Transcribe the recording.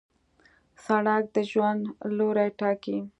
سړک د ژوند لوری ټاکي.